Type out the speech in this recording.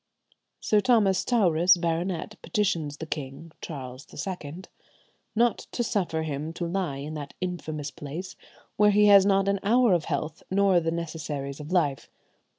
Sir Thomas Towris, baronet, petitions the king (Charles II) "not to suffer him to lie in that infamous place, where he has not an hour of health, nor the necessaries of life.